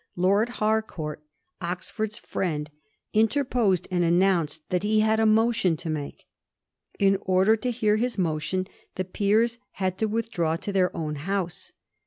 Lord Harcourt, Oxford's ftiend, interposed, and announced that he had a motion to make. In order to hear his motion, the Peers had to withdraw to their own house.